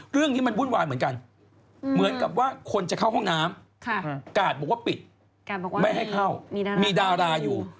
เรื่องนี้มันวุ่นวายเหมือนกันเหมือนกับว่าคนจะเข้าห้องน้ำกาดบอกว่าปิดไม่ให้เข้ามีดาราอยู่